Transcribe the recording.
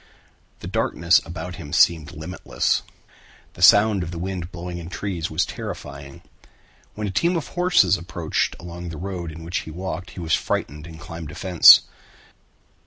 The darkness about him seemed limitless. The sound of the wind blowing in trees was terrifying. When a team of horses approached along the road in which he walked he was frightened and climbed a fence.